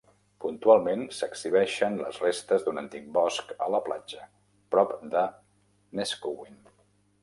Puntualment, s'exhibeixen les restes d'un antic bosc a la platja prop de Neskowin.